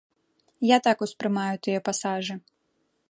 Я так успрымаю тыя пасажы.